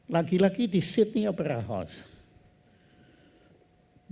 lagi lagi di sydney opera house